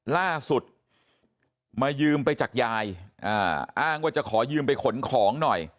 ล่าสุดมายืมไปจากยายอ้างว่าจะขอยืมไปขนของหน่อย